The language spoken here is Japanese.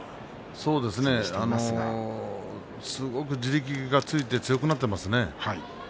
そうですねすごく地力がついて強くなっていますね。